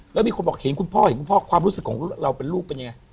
แล้วมีคนบอกเห็นคุณพ่อเห็นคุณพ่อความรู้สึกของเราเป็นลูกเป็นยังไง